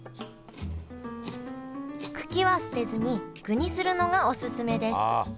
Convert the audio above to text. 茎は捨てずに具にするのがオススメですああ。